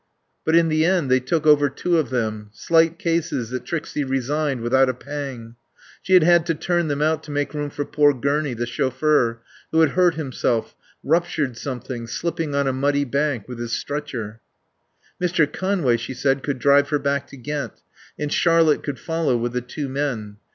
But in the end they took over two of them, slight cases that Trixie resigned without a pang. She had had to turn them out to make room for poor Gurney, the chauffeur, who had hurt himself, ruptured something, slipping on a muddy bank with his stretcher. Mr. Conway, she said, could drive her back to Ghent and Charlotte could follow with the two men.